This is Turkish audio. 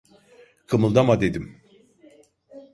Kımıldama dedim!